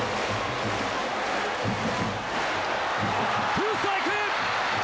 ツーストライク！